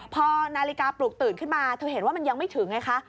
พอนาฬิกาปลุกตื่นขึ้นมาเธอเห็นว่ามันยังไม่ถึงไงคะ